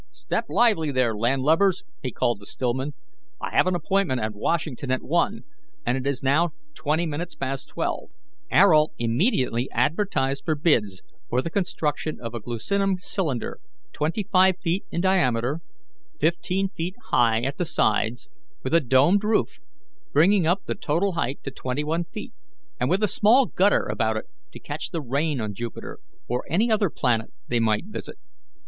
Step lively there, landlubbers!" he called to Stillman; "I have an appointment at Washington at one, and it is now twenty minutes past twelve. We can lunch on the way." Ayrault immediately advertised for bids for the construction of a glucinum cylinder twenty five feet in diameter, fifteen feet high at the sides, with a domed roof, bringing up the total height to twenty one feet, and with a small gutter about it to catch the rain on Jupiter or any other planet they might visit.